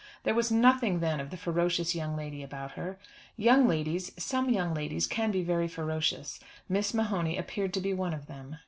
There was nothing then of the ferocious young lady about her. Young ladies, some young ladies, can be very ferocious. Miss O'Mahony appeared to be one of them.